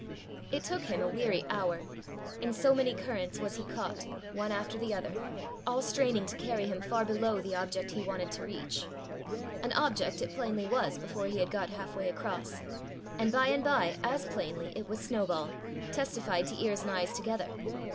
It took him a weary hour in so many currents was he caught, one after the other, all straining to carry him far below the object he wanted to reach: an object it plainly was before he had got half way across, and by and by as plainly it was Snowball testified to ears and eyes together.